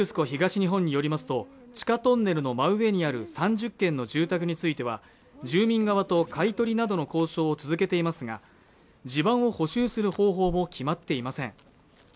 東日本によりますと地下トンネルの真上にある３０軒の住宅については住民側と買い取りなどの交渉を続けていますが地盤を補修する方法も決まっていません